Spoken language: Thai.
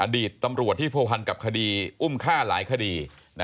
ตำรวจที่ผัวพันกับคดีอุ้มฆ่าหลายคดี